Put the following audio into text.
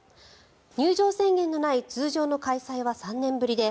入場制限のない通常の開催は３年ぶりで